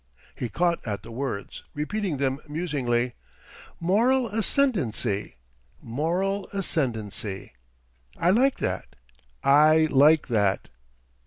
He caught at the words, repeating them musingly: "Moral ascendancy, moral ascendancy, I like that, I like that."